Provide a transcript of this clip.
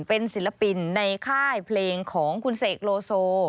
เป็นศิลปินในค่ายเพลงของคุณเสกโลโซ